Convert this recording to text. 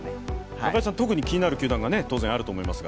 中居さん、特に気になる球団があると思いますが。